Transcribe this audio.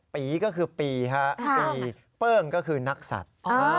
ปีก็คือปีครับปีเปิ้งก็คือนักศัตริย์